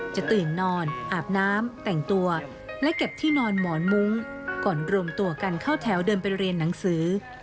จะตื่นนอนอาบน้ำแต่งตัวและเก็บที่นอนหมอนมุ้งก่อนรวมตัวกันเข้าแถวเดินไปเรียนหนังสือ